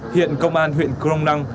hiện công an huyện crong năng